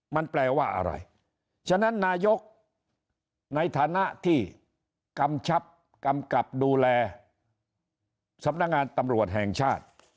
มันแปลว่าอะไรฉะนั้นนายกในฐานะที่กำชับกำกับดูแลสำนักงานตำรวจแห่งชาติ